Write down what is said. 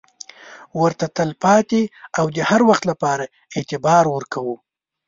ورته تل پاتې او د هروخت لپاره اعتبار ورکوو.